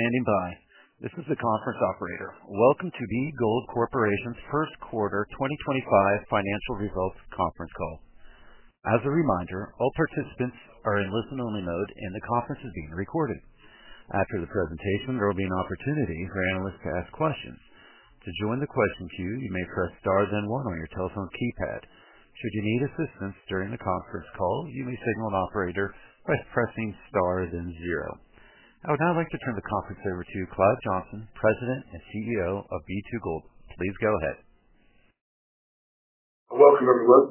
Good evening, everybody. This is the conference operator. Welcome to B2Gold's first quarter 2025 financial results conference call. As a reminder, all participants are in listen-only mode, and the conference is being recorded. After the presentation, there will be an opportunity for analysts to ask questions. To join the question queue, you may press star then one on your telephone keypad. Should you need assistance during the conference call, you may signal an operator by pressing star then zero. I would now like to turn the conference over to Clive Johnson, President and CEO of B2Gold. Please go ahead. Welcome, everyone.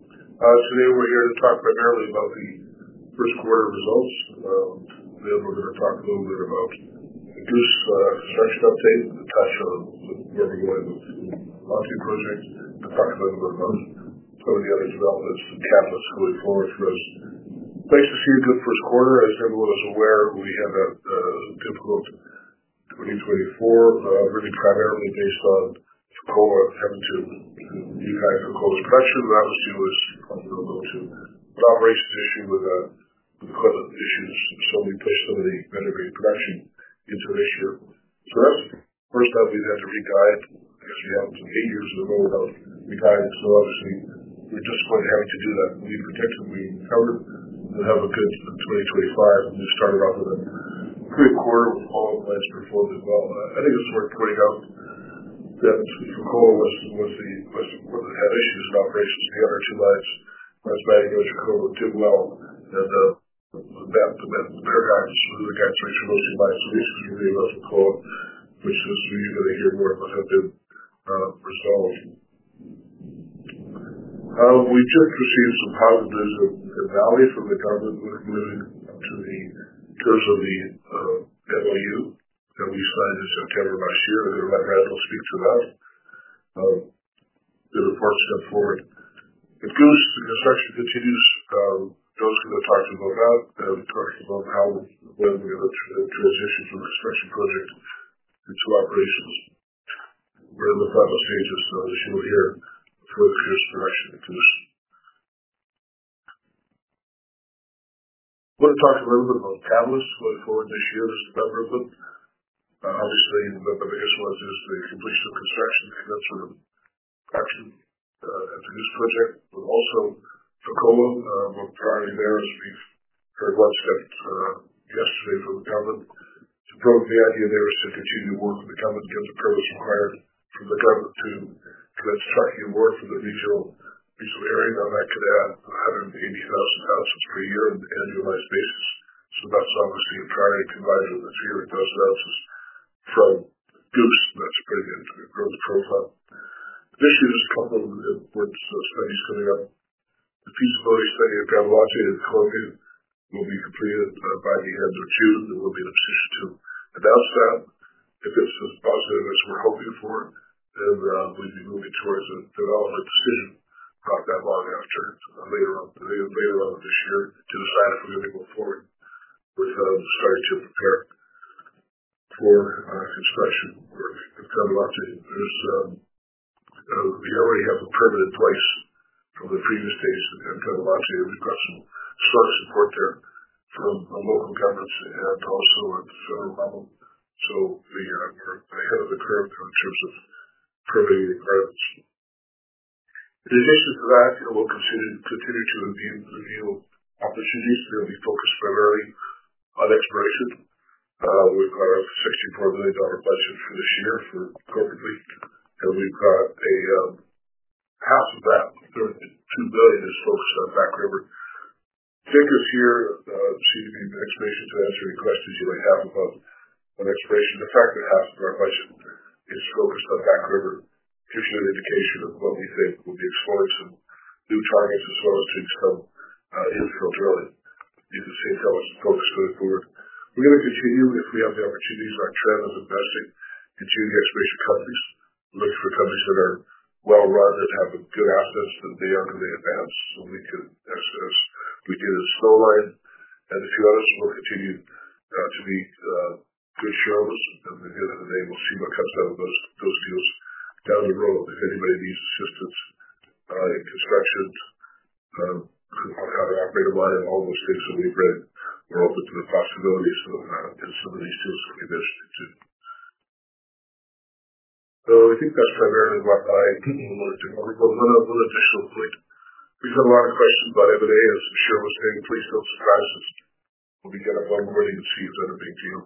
Today, we're here to talk primarily about the first quarter results. Then we're going to talk a little bit about the Goose construction update, a touch on where we're going with the Lonki project, and talk a little bit about some of the other developments and catalysts going forward for us. Nice to see a good first quarter. As everyone is aware, we had a difficult 2024, really primarily based on Fekola having to re-guide Fekola's production. That was due to a seed funding overload to an operations issue with equipment issues, so we pushed some of the better-grade production into this year. That's the first time we've had to re-guide, as we have eight years in a row without re-guiding. Obviously, we're disappointed having to do that. We protected, we recovered, we'll have a good 2025. We started off with a pretty quarter with all of the lines performing well. I think it's worth pointing out that Fekola was the one that had issues in operations. The other two lines, West Bank and Otjikoto, did well, and the paragons, the guidance rights for those two lines. The issues were really about Fekola, which is where you're going to hear more about how they've been resolved. We've just received some positives in Mali from the government, including in terms of the MOU that we signed in September last year. Randall will speak to that. The report stepped forward. The Goose construction continues. Those are going to talk to them about that, and talk to them about how and when we're going to transition from the construction project into operations. We're in the final stages, so as you'll hear further clearance production in Goose. I want to talk a little bit about catalysts going forward this year. There's a number of them. Obviously, the biggest one is the completion of construction to commence with the production at the Goose Project, but also Fekola. A priority there is we've heard one step yesterday from the government to promote the idea they were to continue to work with the government and get the permits required from the government to commence trucking work for the regional area. Now, that could add 180,000 oz per year on an annualized basis. So that's obviously a priority combined with the 300,000 oz from Goose. That's a pretty good growth profile. This year, there's a couple of important studies coming up. The feasibility study of Gramalote in Colombia will be completed by the end of June. There will be an opposition to announce that. If it's as positive as we're hoping for, then we'd be moving towards a development decision not that long after, later on this year, to decide if we're going to go forward with starting to prepare for construction. We're at Gramalote. We already have a permit in place from the previous days at Gramalote. We've got some strong support there from local governments and also at the federal level. We're ahead of the curve there in terms of permitting requirements. In addition to that, we'll continue to review opportunities. They'll be focused primarily on exploration. We've got a 64 million dollar budget for this year corporately, and we've got half of that, 32 million, focused on Back River. Take us here, CIBC, expectation to answer any questions you might have about on exploration. The fact that half of our budget is focused on Back River gives you an indication of what we think will be exploring some new targets as well as doing some infill drilling. You can see how it's focused going forward. We're going to continue, if we have the opportunities, our trend of investing into the exploration companies. We're looking for companies that are well-run and have good assets that they are going to advance so we can access. We did in Snowline and a few others. We'll continue to be good shareholders, and at the end of the day, we'll see what comes out of those deals down the road. If anybody needs assistance in construction, on how to operate a mine, all those things that we've read, we're open to the possibilities of some of these deals that we mentioned too. I think that's primarily what I wanted to. One additional point. We've had a lot of questions about M&A as I'm sure we're saying. Please don't surprise us. When we get a big warning, it seems like a big deal.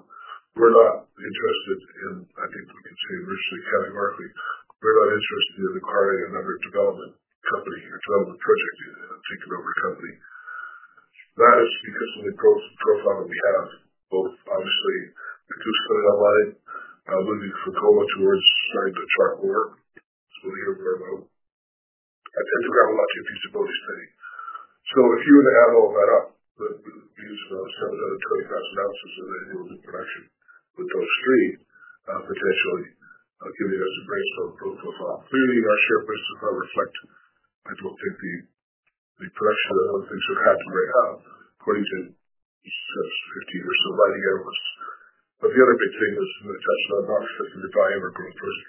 We're not interested in, I think we can say virtually categorically, we're not interested in acquiring another development company or development project and taking over a company. That is because of the growth profile that we have, both obviously the Goose and the headline moving Fekola towards starting to truck more. We'll hear more about it. I think Gramalote feasibility study. If you were to add all that up, we use about 720,000 oz of annual new production with those three potentially giving us a strong profile. Clearly, our share prices don't reflect. I don't think the production and other things are half the way up according to 15 or so mining analysts. The other big thing is we're going to touch on non-specific value or growth first.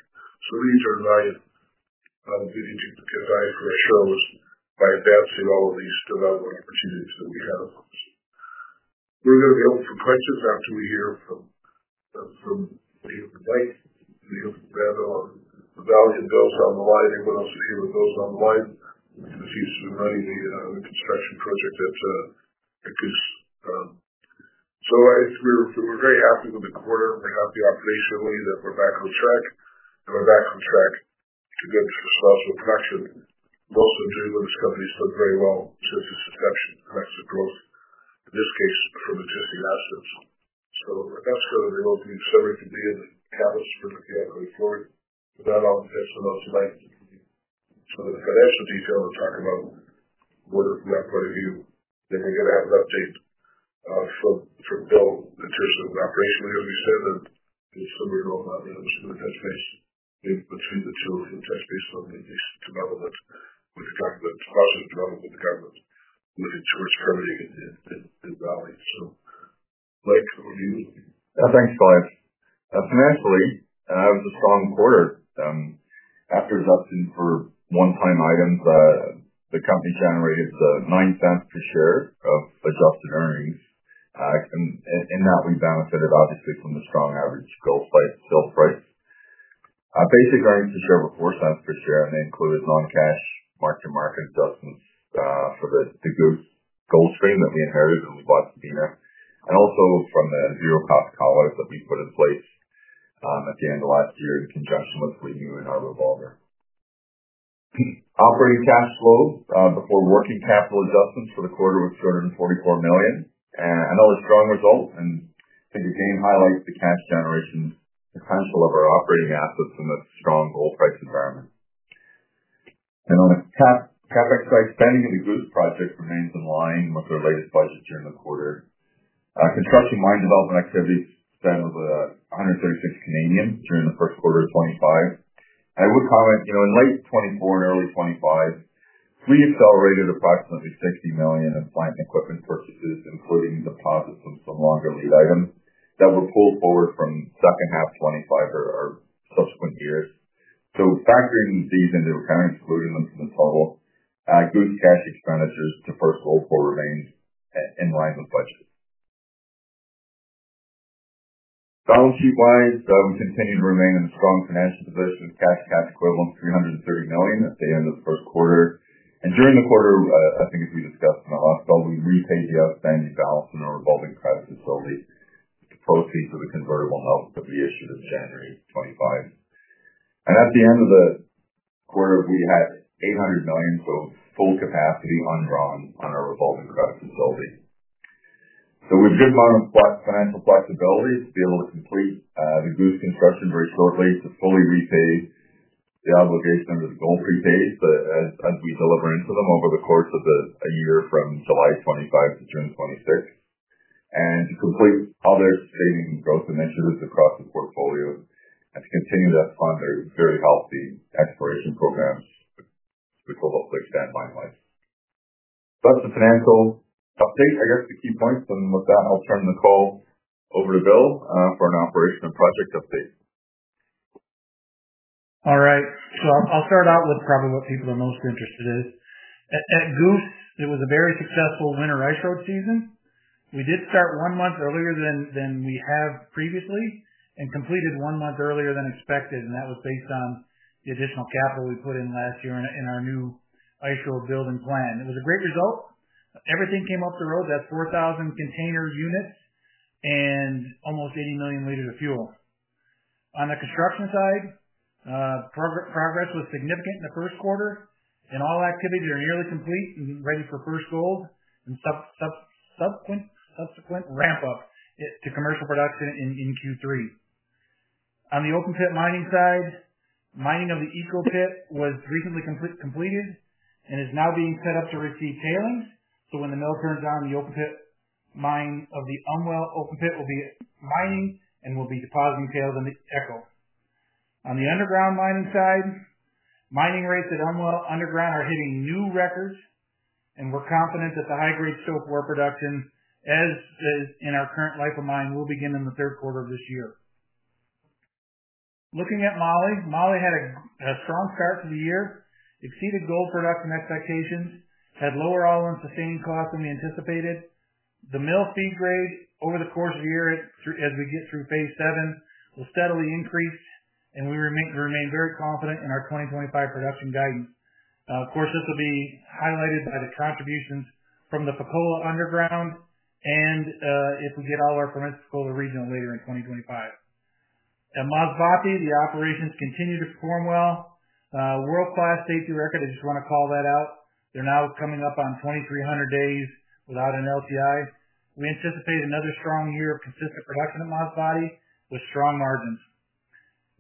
We need to rely on the value for our shareholders by advancing all of these development opportunities that we have. We're going to be open for questions after we hear from the heel of the bike, the heel of the band on the value bills on the line. Anyone else in the heel of the bills on the line? The fees for running the construction project at Goose. We're very happy with the quarter. We're happy operationally that we're back on track, and we're back on track to go to source of production. Most of the newest companies have done very well since its inception, and that's the growth, in this case, from existing assets. That's going to be something to be the catalyst for the annual report. With that, I'll pass the notes tonight. The financial detail, we'll talk about what if from that point of view, then we're going to have an update from Bill in terms of operational, as we said. In some of the rolling out that was in the touch base. Maybe between the two of them, touch base on the development with the government, positive development with the government, moving towards permitting in Valley. Mike, over to you. Thanks, Clive. Financially, it was a strong quarter. After adjusting for one-time items, the company generated the 0.09 per share of adjusted earnings. In that, we benefited, obviously, from the strong average gold by sales price. Basic earnings per share were 0.04 per share, and they included non-cash mark-to-market adjustments for the Goose gold stream that we inherited when we bought Sabina, and also from the zero-cost collars that we put in place at the end of last year in conjunction with Lee Hue and Arbor Volver. Operating cash flow before working capital adjustments for the quarter was 244 million. Another strong result, and I think again highlights the cash generation potential of our operating assets in this strong gold price environment. On the CapEx side, spending in the Goose project remains in line with our latest budget during the quarter. Construction mine development activity spent was 136 million during the first quarter of 2025. I would comment, in late 2024 and early 2025, we accelerated approximately 60 million in plant equipment purchases, including deposits from some longer lead items that were pulled forward from the second half of 2025 or subsequent years. Factoring these into account, including them from the total, Goose cash expenditures to first gold pour remained in line with budget. Balance sheet-wise, we continue to remain in a strong financial position. Cash and cash equivalents, 330 million at the end of the first quarter. During the quarter, I think as we discussed in the last call, we repaid the outstanding balance in our revolving credit facility to proceed to the convertible note that we issued in January 2025. At the end of the quarter, we had 800 million, so full capacity undrawn on our revolving credit facility. With good financial flexibility to be able to complete the Goose construction very shortly, to fully repay the obligation under the gold prepays as we deliver into them over the course of a year from July 2025 to June 2026, and to complete other savings and growth initiatives across the portfolio, and to continue to fund very healthy exploration programs, which will hopefully extend mine life. That is the financial update. I guess the key points, and with that, I'll turn the call over to Bill for an operation and project update. All right. I'll start out with probably what people are most interested in. At Goose, it was a very successful winter ice road season. We did start one month earlier than we have previously and completed one month earlier than expected, and that was based on the additional capital we put in last year in our new ice road building plan. It was a great result. Everything came up the road. That's 4,000 container units and almost 80 million liters of fuel. On the construction side, progress was significant in the first quarter. All activities are nearly complete and ready for first gold and subsequent ramp-up to commercial production in Q3. On the open pit mining side, mining of the Echo pit was recently completed and is now being set up to receive tailings. When the mill turns on, the open pit mine of the Umwelt open pit will be mining and will be depositing tails in the echo. On the underground mining side, mining rates at Umwelt underground are hitting new records, and we're confident that the high-grade soap ore production, as in our current life of mine, will begin in the third quarter of this year. Looking at Mali, Mali had a strong start to the year, exceeded gold production expectations, had lower all-in sustaining costs than we anticipated. The mill feed grade over the course of the year, as we get through phase seven, was steadily increased, and we remain very confident in our 2025 production guidance. Of course, this will be highlighted by the contributions from the Fekola underground and if we get all our permits from Fekola regional later in 2025. At Masbate, the operations continue to perform well. World-class safety record, I just want to call that out. They are now coming up on 2,300 days without an LTI. We anticipate another strong year of consistent production at Masbate with strong margins.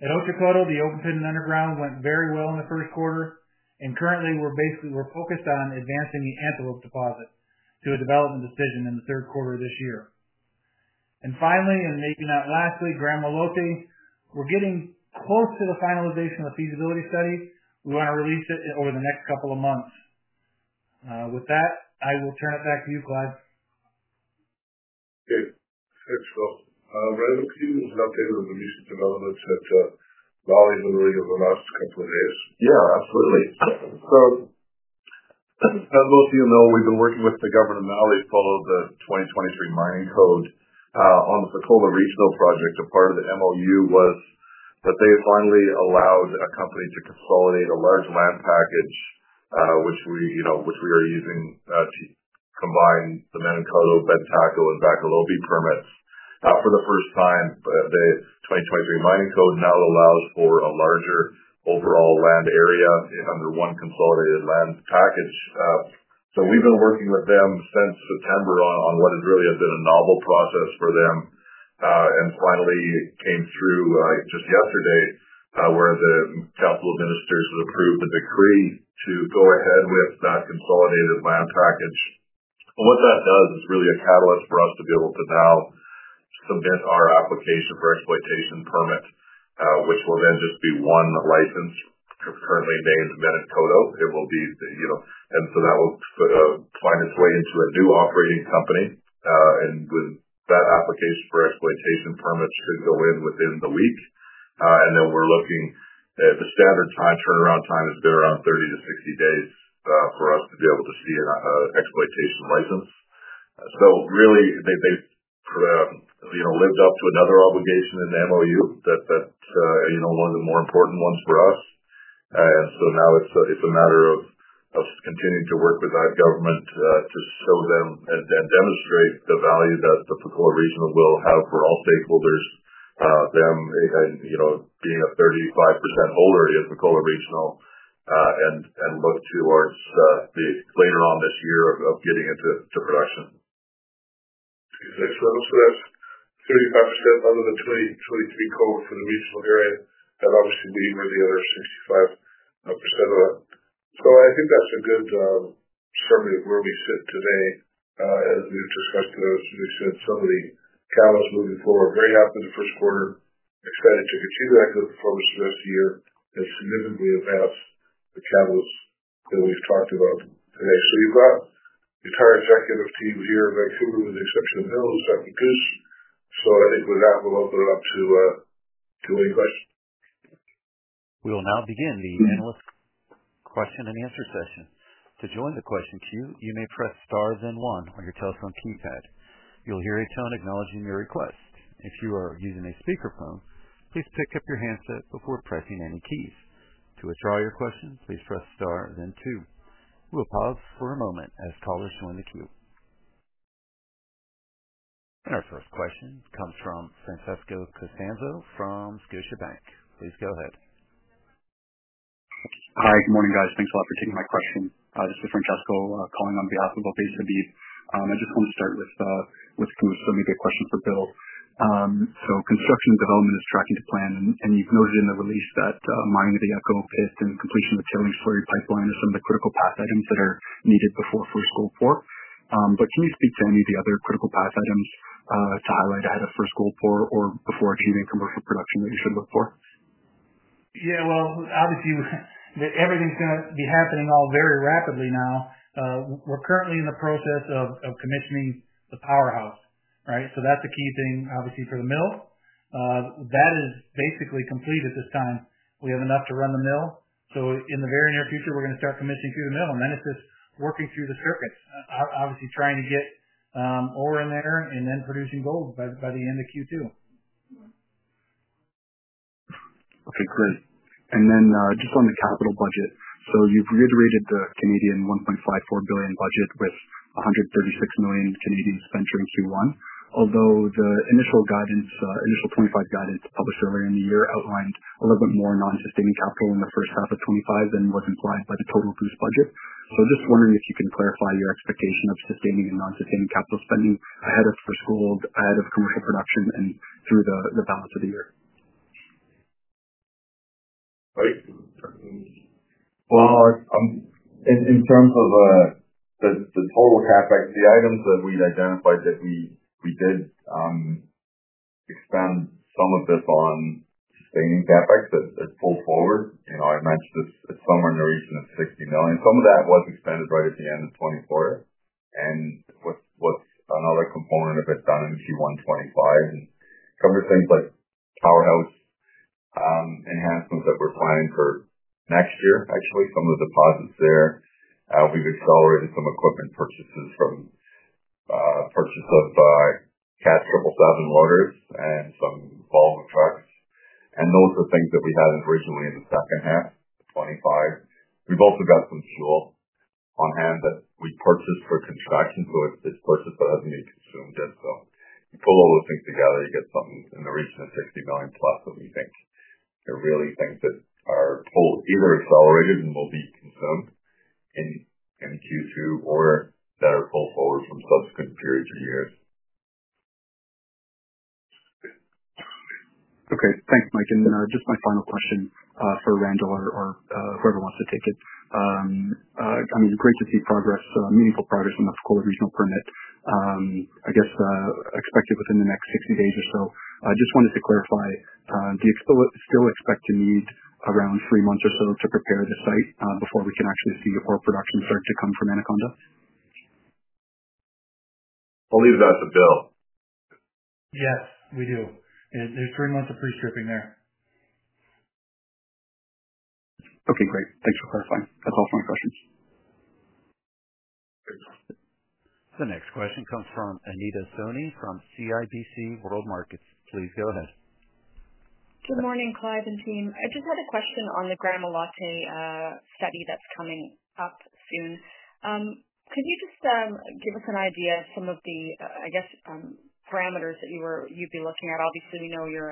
At Otjikoto, the open pit and underground went very well in the first quarter, and currently, we are focused on advancing the Antelope deposit to a development decision in the third quarter of this year. Finally, and maybe not lastly, Gramalote, we are getting close to the finalization of the feasibility study. We want to release it over the next couple of months. With that, I will turn it back to you, Clive. Okay. Thanks, Scott. Randall, can you update on the recent developments at Fekola Underground over the last couple of days? Yeah, absolutely. As most of you know, we've been working with the government of Mali to follow the 2023 mining code on the Fekola regional project. A part of the MOU was that they finally allowed a company to consolidate a large land package, which we are using to combine the Menankoto, Bantako, and Bakolobi permits for the first time. The 2023 mining code now allows for a larger overall land area under one consolidated land package. We've been working with them since September on what has really been a novel process for them. It came through just yesterday where the capital administrators approved the decree to go ahead with that consolidated land package. What that does is really a catalyst for us to be able to now submit our application for exploitation permit, which will then just be one license currently named Menankoto. It will be, and that will find its way into a new operating company. With that, application for exploitation permits should go in within the week. We are looking at the standard turnaround time, which has been around 30-60 days for us to be able to see an exploitation license. They have lived up to another obligation in the MOU, one of the more important ones for us. Now it is a matter of continuing to work with that government to show them and demonstrate the value that the Fekola regional will have for all stakeholders, them being a 35% holder in Fekola regional, and look towards later on this year of getting into production. Okay. Thanks, Randall. So that's 35% under the 2023 code for the regional area. And obviously, we were the other 65% of that. I think that's a good summary of where we sit today. As we've discussed today, as we said, some of the catalysts moving forward, very happy with the first quarter, excited to continue that good performance for the rest of the year and significantly advance the catalysts that we've talked about today. You have got the entire executive team here, Vancouver, with the exception of Mills, Goose. I think with that, we'll open it up to any questions. We will now begin the analyst question and answer session. To join the question queue, you may press star, then one on your telephone keypad. You'll hear a tone acknowledging your request. If you are using a speakerphone, please pick up your handset before pressing any keys. To withdraw your question, please press star, then two. We will pause for a moment as callers join the queue. Our first question comes from Francesco Costanzo from Scotiabank. Please go ahead. Hi, good morning, guys. Thanks a lot for taking my question. This is Francesco calling on behalf of Ovais Habib. I just want to start with Goose, so maybe a question for Bill. Construction development is tracking to plan, and you've noted in the release that mining of the Echo pit and completion of the tailing slurry pipeline are some of the critical path items that are needed before first gold pour. Can you speak to any of the other critical path items to highlight ahead of first gold pour or before achieving commercial production that we should look for? Yeah, obviously, everything's going to be happening all very rapidly now. We're currently in the process of commissioning the powerhouse, right? That's a key thing, obviously, for the mill. That is basically complete at this time. We have enough to run the mill. In the very near future, we're going to start commissioning through the mill, and then it's just working through the circuits, obviously trying to get ore in there and then producing gold by the end of Q2. Okay, great. Then just on the capital budget, you have reiterated the 1.54 billion budget with 136 million spent in Q1, although the initial 2025 guidance published earlier in the year outlined a little bit more non-sustaining capital in the first half of 2025 than was implied by the total Goose budget. I am just wondering if you can clarify your expectation of sustaining and non-sustaining capital spending ahead of first gold, ahead of commercial production, and through the balance of the year. In terms of the total CapEx, the items that we'd identified that we did expend some of this on sustaining CapEx that pulled forward, I mentioned this summary narration of 60 million. Some of that was expended right at the end of 2024, with another component of it done in Q1 2025 and some of the things like powerhouse enhancements that we're planning for next year, actually, some of the deposits there. We've accelerated some equipment purchases from purchase of CAT 777 loaders and some Volvo trucks. Those are things that we had originally in the second half of 2025. We've also got some fuel on hand that we purchased for construction, so it's purchased, but hasn't been consumed yet. You pull all those things together, you get something in the region of 60 million plus that we think are really things that are either accelerated and will be consumed in Q2 or that are pulled forward from subsequent periods or years. Okay. Thanks, Mike. And just my final question for Randall or whoever wants to take it. I mean, great to see progress, meaningful progress on the Fekola regional permit. I guess expected within the next 60 days or so. Just wanted to clarify, do you still expect to need around three months or so to prepare the site before we can actually see ore production start to come from Anaconda? I'll leave that to Bill. Yes, we do. There's three months of pre-stripping there. Okay, great. Thanks for clarifying. That's all for my questions. The next question comes from Anita Soni from CIBC World Markets. Please go ahead. Good morning, Clive and team. I just had a question on the Gramalote study that's coming up soon. Could you just give us an idea of some of the, I guess, parameters that you'd be looking at? Obviously, we know you're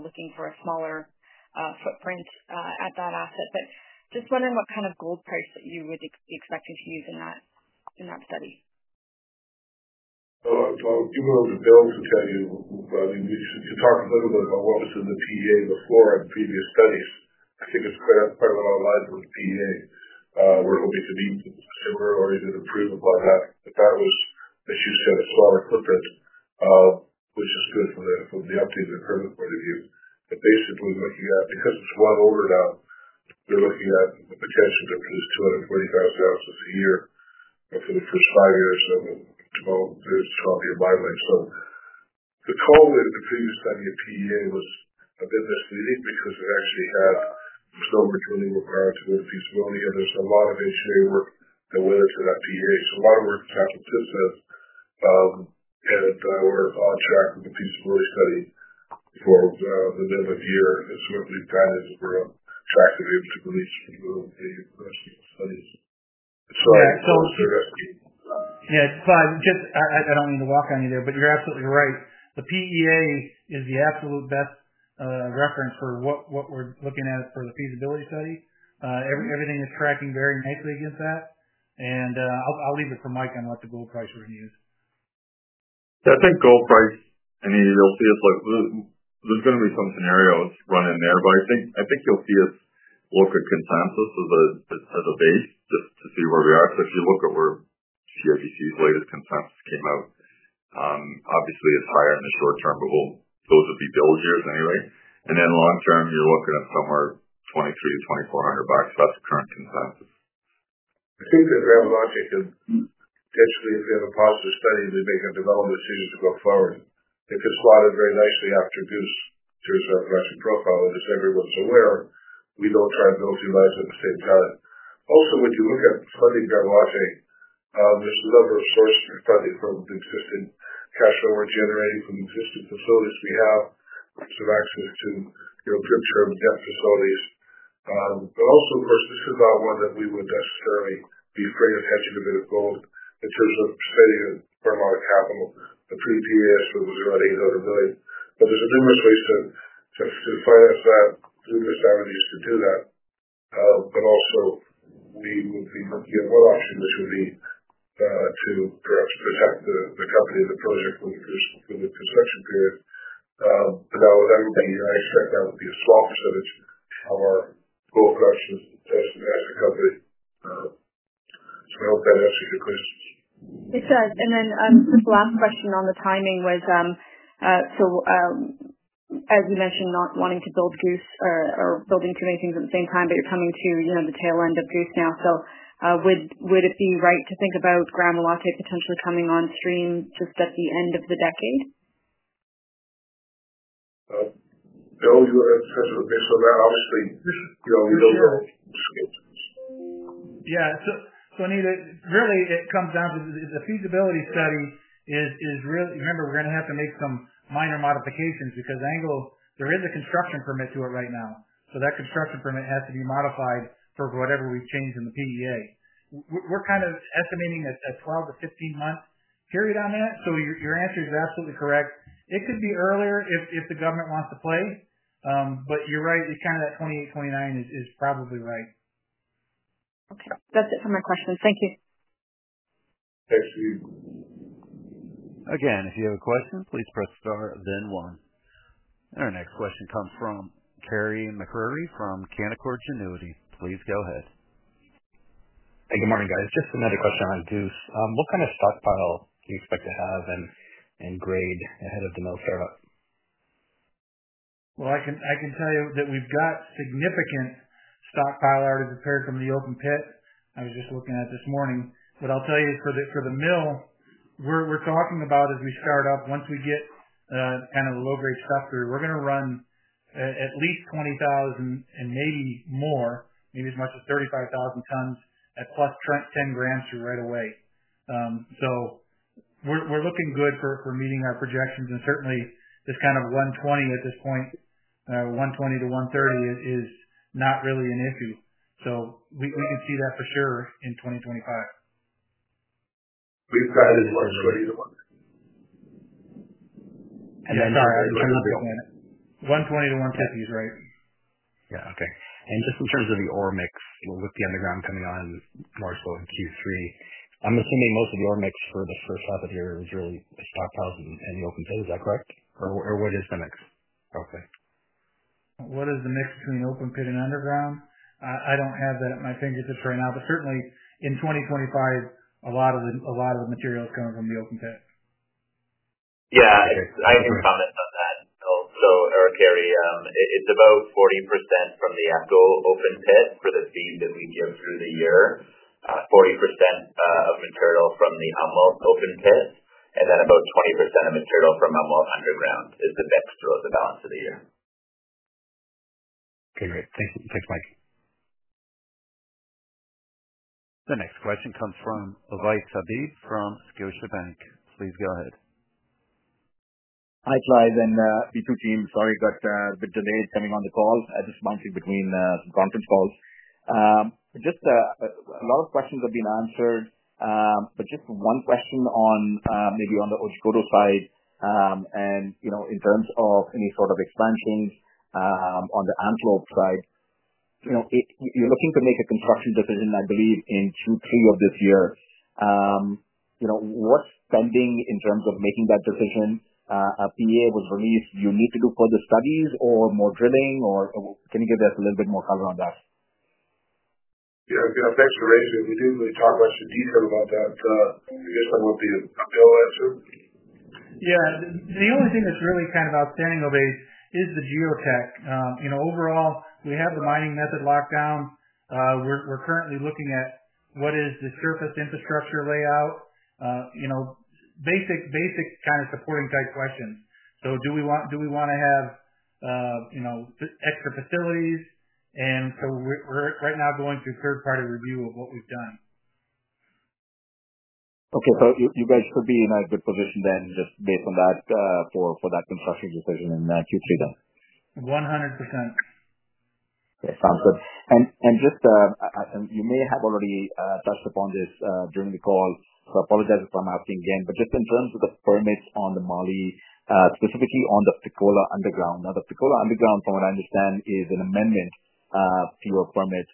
looking for a smaller footprint at that asset, but just wondering what kind of gold price that you would be expecting to use in that study. I'll give it over to Bill to tell you. I mean, we should talk a little bit about what was in the PEA before and previous studies. I think it's quite a lot of lines of PEA. We're hoping to meet similar or even improve upon that. That was, as you said, a smaller footprint, which is good from the updated permit point of view. Basically, looking at, because it's one order now, you're looking at a potential difference of 240,000 oz a year for the first five years of the development. There's a small deal by way. The call in the previous study of PEA was a bit misleading because it actually had some returning requirements for the piece of building, and there's a lot of engineering work that went into that PEA. A lot of work was happened since then. We're on track with the piece of building study for the middle of the year. That's what we've got as we're on track to be able to release the rest of the studies. Yeah, Clive, I don't mean to walk on you there, but you're absolutely right. The PEA is the absolute best reference for what we're looking at for the feasibility study. Everything is tracking very nicely against that. I'll leave it for Mike on what the gold price we're going to use. Yeah, I think gold price, Anita, you'll see us look there's going to be some scenarios running there, but I think you'll see us look at consensus as a base just to see where we are. If you look at where CIBC's latest consensus came out, obviously, it's higher in the short term, but those would be Bill's years anyway. Then long term, you're looking at somewhere 2,300-2,400 bucks. That's current consensus. I think that Gramalote, potentially, if we have a positive study, we make a development decision to go forward. It gets slotted very nicely after Goose's retrospective profile, and as everyone's aware, we don't try and build two lives at the same time. Also, when you look at funding Gramalote, there's a number of sources of funding from existing cash flow we're generating from existing facilities we have, some access to premature debt facilities. Also, of course, this is not one that we would necessarily be afraid of hedging a bit of gold in terms of spending a fair amount of capital. The pre-PEA estimate was around CAD 800 million. There are numerous ways to finance that, numerous avenues to do that. Also, we would be looking at one option, which would be to perhaps protect the company and the project for the construction period. That would be, I expect that would be a small percentage of our gold production as a company. I hope that answers your questions. It does. And then just the last question on the timing was, as you mentioned, not wanting to build Goose or building too many things at the same time, but you're coming to the tail end of Goose now. Would it be right to think about Gramalote potentially coming on stream just at the end of the decade? Bill, you want to touch a bit so that obviously we don't know. Sure. Yeah. So Anita, really, it comes down to the feasibility study is really, remember, we're going to have to make some minor modifications because there is a construction permit to it right now. That construction permit has to be modified for whatever we've changed in the PEA. We're kind of estimating a 12 month-15 month period on that. Your answer is absolutely correct. It could be earlier if the government wants to play. You're right, kind of that 2028, 2029 is probably right. Okay. That's it for my questions. Thank you. Thanks. Again, if you have a question, please press star, then one. Our next question comes from Carey MacRury from Canaccord Genuity. Please go ahead. Hey, good morning, guys. Just another question on Goose. What kind of stockpile do you expect to have and grade ahead of the mill startup? I can tell you that we've got significant stockpile already prepared from the open pit. I was just looking at it this morning. What I'll tell you for the mill, we're talking about as we start up, once we get kind of the low-grade stuff through, we're going to run at least 20,000 and maybe more, maybe as much as 35,000 tons at plus 10 grams through right away. We are looking good for meeting our projections. Certainly, this kind of 120 at this point, 120-130 is not really an issue. We can see that for sure in 2025. We've got it in 120-130. I'm sorry. I'm trying not to explain it. 120-150 is right. Yeah. Okay. Just in terms of the ore mix with the underground coming on more so in Q3, I'm assuming most of the ore mix for the first half of the year is really the stockpiles and the open pit. Is that correct? What is the mix? Okay. What is the mix between open pit and underground? I don't have that at my fingertips right now. Certainly, in 2025, a lot of the material is coming from the open pit. Yeah. I have a comment on that, Bill. So, Carey, it's about 40% from the Echo open pit for the feed that we give through the year, 40% of material from the Umwelt open pit, and then about 20% of material from Umwelt underground is the mix throughout the balance of the year. Okay. Great. Thanks, Mike. The question comes from Ovais Habib from Scotiabank. Please go ahead. Hi, Clive. And B2 team, sorry, got a bit delayed coming on the call. I just bounced in between some conference calls. Just a lot of questions have been answered, but just one question on maybe on the Otjikoto side. In terms of any sort of expansions on the Antelope side, you're looking to make a construction decision, I believe, in Q3 of this year. What's pending in terms of making that decision? A PEA was released. You need to do further studies or more drilling? Or can you give us a little bit more color on that? Yeah. Thanks for raising it. We didn't really talk much in detail about that. I guess that will be a Bill answer. Yeah. The only thing that's really kind of outstanding, Ovais, is the geotech. Overall, we have the mining method locked down. We're currently looking at what is the surface infrastructure layout, basic kind of supporting-type questions. Do we want to have extra facilities? We're right now going through third-party review of what we've done. Okay. So you guys should be in a good position then just based on that for that construction decision in Q3 then. 100%. Okay. Sounds good. Just, you may have already touched upon this during the call, so I apologize if I'm asking again. Just in terms of the permits on Mali, specifically on the Fekola Underground. Now, the Fekola Underground, from what I understand, is an amendment to your permit.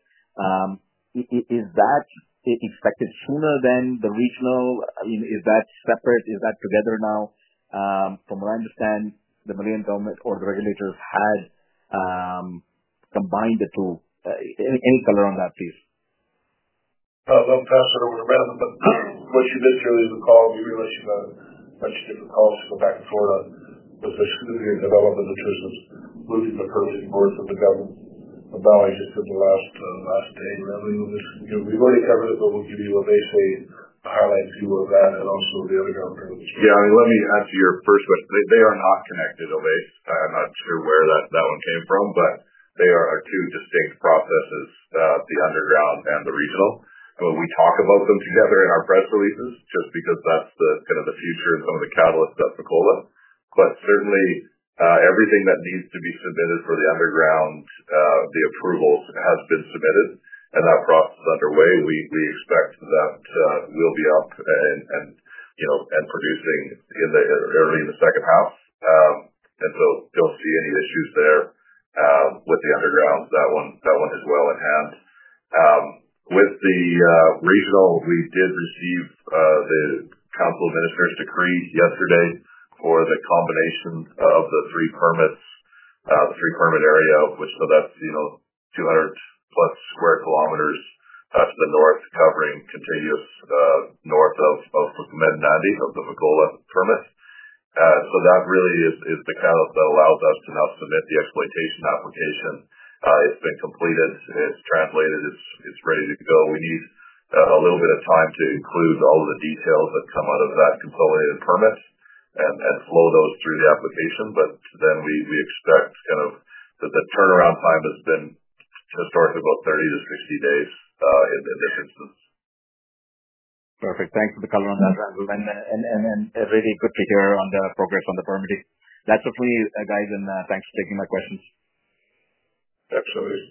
Is that expected sooner than the regional? I mean, is that separate? Is that together now? From what I understand, the Malian government or the regulators had combined the two. Any color on that, please? I'm passing over to Randall, but what you just really recall, we realize you've got a bunch of different calls to go back and forth on with the significant development of tourism moving the curtain north of the Gulf of Mali, just in the last day. We've already covered it, but we'll give you Ovais's highlight view of that and also the other government. Yeah. Let me answer your first question. They are not connected, Ovais. I'm not sure where that one came from, but they are two distinct processes, the underground and the regional. We talk about them together in our press releases just because that's kind of the future and some of the catalysts at Fekola. Certainly, everything that needs to be submitted for the underground, the approvals, has been submitted, and that process is underway. We expect that we'll be up and producing early in the second half. I don't see any issues there with the underground. That one is well in hand. With the regional, we did receive the Council of Ministers' decree yesterday for the combination of the three permits, the three-permit area, which is 200+ square kilometers to the north, covering continuous north of the Medinandi, of the Fekola permit. That really is the catalyst that allows us to now submit the exploitation application. It's been completed. It's translated. It's ready to go. We need a little bit of time to include all of the details that come out of that consolidated permit and flow those through the application. We expect kind of that the turnaround time has been historically about 30-60 days in this instance. Perfect. Thanks for the color on that, Randall. Really good to hear on the progress on the permitting. That's it for me, guys, and thanks for taking my questions. Absolutely.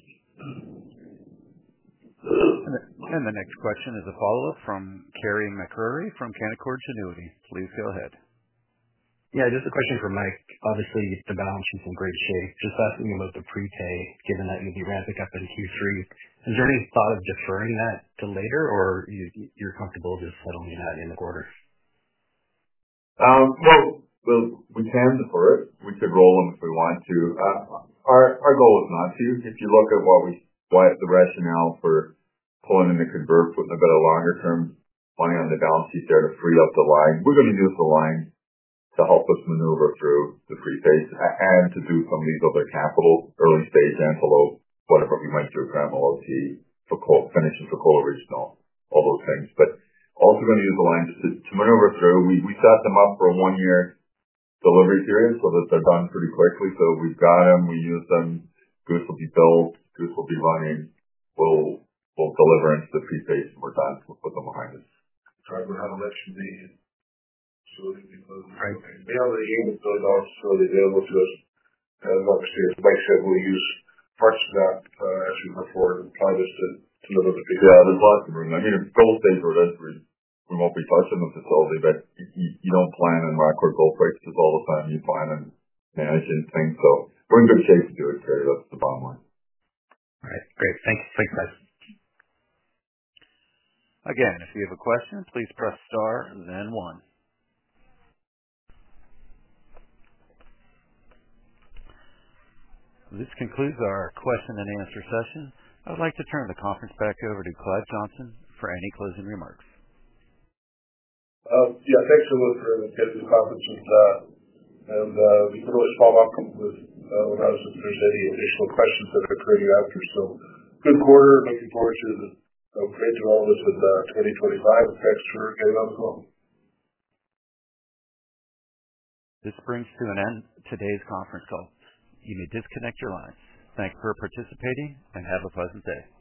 The next question is a follow-up from Carey MacRury from Canaccord Genuity. Please go ahead. Yeah. Just a question for Mike. Obviously, the balance sheet's in great shape. Just asking about the prepay, given that it'll be ramping up in Q3. Is there any thought of deferring that to later, or you're comfortable just settling in that in the quarter? We can defer it. We could roll them if we want to. Our goal is not to. If you look at what the rationale for pulling in the convert, putting a bit of longer-term money on the balance sheet there to free up the line, we are going to use the line to help us maneuver through the prepay and to do some of these other capital, early-stage Antelope, whatever we might do at Gramalote, finishing Fekola regional, all those things. We are also going to use the line just to maneuver through. We set them up for a one-year delivery period so that they are done pretty quickly. We have got them. We use them. Goose will be built. Goose will be running. We will deliver into the prepay, and we are done with them behind us. Tried to have a lecture meeting. So we can be closed. Bill, the CAD 800 million is really available to us. Like I said, we'll use parts of that as we move forward and apply this to another piece. Yeah. There's lots of room. I mean, gold things are eventually. We won't be touching them facility. But you don't plan and record gold prices all the time. You plan and manage and think. So we're in good shape to do it, Carey. That's the bottom line. All right. Great. Thanks. Thanks, guys. Again, if you have a question, please press star, then one. This concludes our question and answer session. I would like to turn the conference back over to Clive Johnson for any closing remarks. Yeah. Thanks for looking through this conference. We can always follow up whenever there's any additional questions that occur to you after. Good quarter. Looking forward to the great developments in 2025. Thanks for getting on the call. This brings to an end today's conference call. You may disconnect your lines. Thank you for participating, and have a pleasant day.